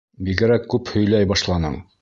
Бигерәк күп һөйләй башланың!